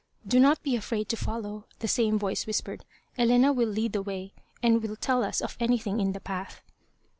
"Do not be afraid to follow," the same voice whispered. "Elena will lead the way, and will tell us of anything in the path."